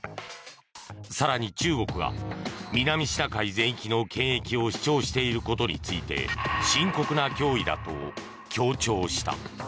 更に中国が南シナ海全域の権益を主張していることについて深刻な脅威だと強調した。